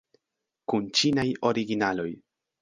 Kun ĉinaj originaloj.